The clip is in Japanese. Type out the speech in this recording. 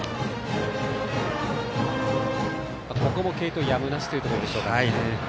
ここも継投やむなしというところでしょうか。